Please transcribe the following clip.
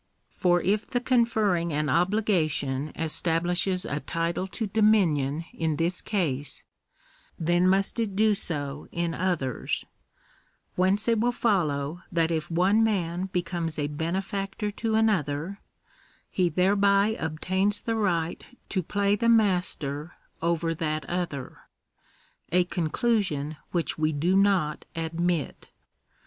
For if the conferring an obligation establishes a title to dominion in this case, then must it do so in others ; whence it will follow that if one man becomes a benefactor to an other, he thereby obtains the right to play the master over that other ; a conclusion which we do not admit.